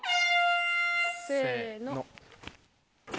せの。